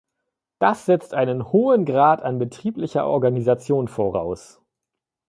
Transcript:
Das setzt einen hohen Grad an betrieblicher Organisation voraus.